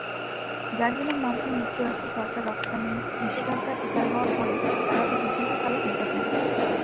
যার জন্য মার্কিন যুক্তরাষ্ট্র সরকার রফতানি নিষেধাজ্ঞার শিকার হওয়ার পরে তারা এটি দ্রুত চালুর উদ্যোগ নেয়।